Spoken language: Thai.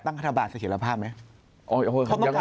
๒๘ตั้งคัธบาลเศรษฐภาพไหม